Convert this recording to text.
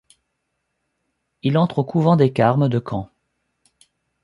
Il entre au couvent des Carmes de Caen.